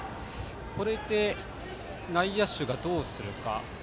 これで内野手がどうするか。